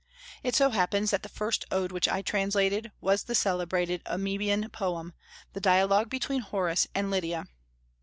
It so happens that the first Ode which I translated was the celebrated Amoebean Poem, the dialogue between Horace and Lydia.